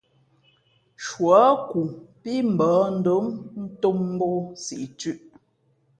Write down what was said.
Shuάku pí mbᾱαndom ntōm mbōk siꞌ thʉ̄ꞌ.